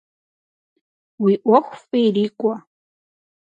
Уи ӏуэху фӏы ирикӏуэ!